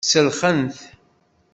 Selxen-t.